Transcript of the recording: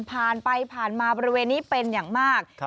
ผ่านไปผ่านมาบริเวณนี้เป็นอย่างมาก